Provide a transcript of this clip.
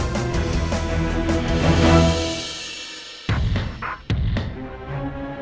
kamu di rumah